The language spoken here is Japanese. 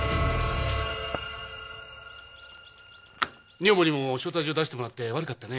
女房にも招待状出してもらって悪かったね。